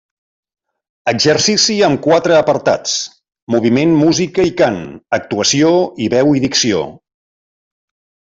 Exercici amb quatre apartats: moviment, música i cant, actuació i veu i dicció.